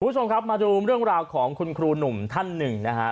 คุณผู้ชมครับมาดูเรื่องราวของคุณครูหนุ่มท่านหนึ่งนะฮะ